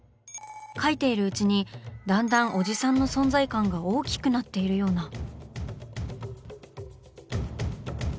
描いているうちにだんだんおじさんの存在感が大きくなっているような。